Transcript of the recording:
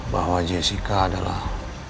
bahwa jessica adalah